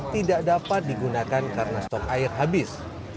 tidak dapat digunakan karena stok air habis